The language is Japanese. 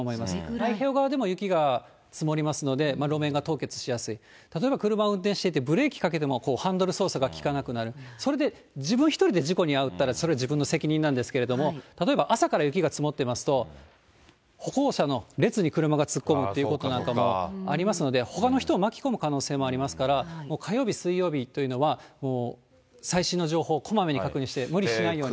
太平洋側でも雪が積もりますので、路面が凍結しやすい、例えば車を運転していてブレーキをかけてもハンドル操作が利かなくなる、それで自分１人で事故に遭ったらそれは自分の責任なんですけれども、例えば朝から雪が積もってますと、歩行者の列に車が突っ込むということなんかもありますので、ほかの人を巻き込む可能性もありますから、火曜日、水曜日というのは、もう最新の情報をこまめに確認して、無理しないように。